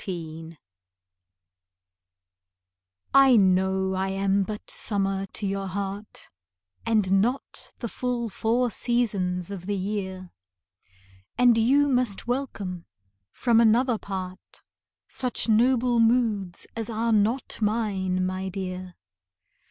III I know I am but summer to your heart, And not the full four seasons of the year; And you must welcome from another part Such noble moods as are not mine, my dear.